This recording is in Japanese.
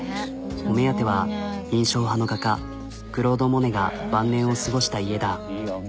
お目当ては印象派の画家クロード・モネが晩年を過ごした家だ。